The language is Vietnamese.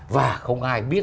và không ai biết